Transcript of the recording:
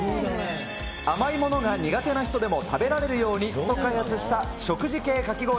甘いものが苦手な人でも食べられるようにと開発した、食事系かき氷。